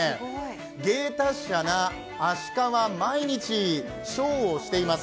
芸達者がアシカは毎日ショーをしています。